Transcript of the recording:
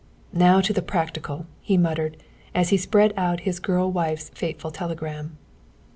"Now to the practical," he muttered, as he spread out his girl wife's fateful telegram.